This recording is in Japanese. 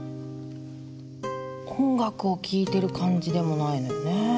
音楽を聴いてる感じでもないのよね。